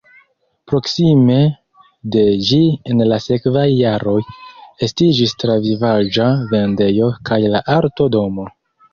Proksime de ĝi en la sekvaj jaroj estiĝis travivaĵa vendejo kaj la Arto-domo.